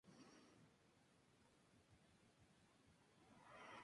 Es la caña favorita de saxofonistas clásicos de todo el mundo.